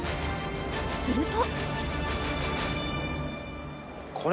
すると。